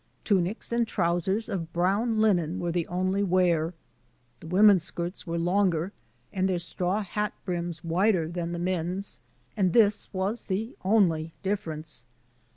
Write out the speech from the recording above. Tu % nics and trowsers of brown linen were the only I wear. The women's skirts were longer, and their straw hat brims wider than the men's, and this was the only difference.